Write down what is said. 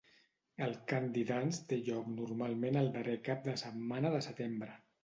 El Candy Dance te lloc normalment el darrer cap de setmana de setembre.